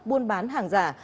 buôn bán hàng giả